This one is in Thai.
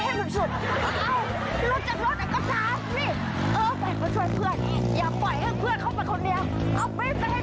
เออต้องขึงเข้าไป